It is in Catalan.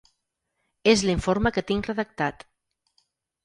És l’informe que tinc redactat.